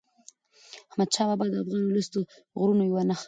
احمدشاه بابا د افغان ولس د غرور یوه نښه وه.